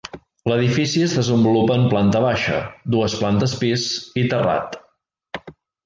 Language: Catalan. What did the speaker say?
L'edifici es desenvolupa en planta baixa, dues plantes pis i terrat.